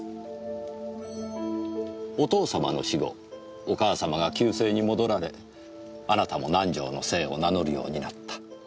お父様の死後お母様が旧姓に戻られあなたも南条の姓を名乗るようになった。